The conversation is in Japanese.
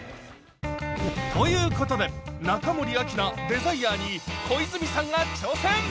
ということで中森明菜「ＤＥＳＩＲＥ−情熱−」に小泉さんが挑戦！